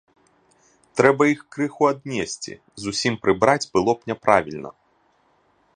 Трэба іх крыху аднесці, зусім прыбраць было б няправільна.